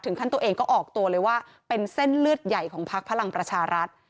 ขั้นตัวเองก็ออกตัวเลยว่าเป็นเส้นเลือดใหญ่ของพักพลังประชารัฐ